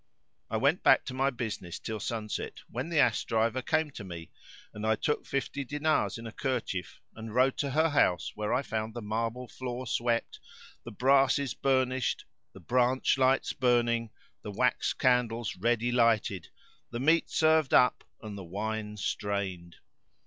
[FN#539] I went back to my business till sunset, when the ass driver came to me and I took fifty dinars in a kerchief and rode to her house where I found the marble floor swept, the brasses burnisht, the branch lights burning, the wax candles ready lighted, the meat served up and the wine strained.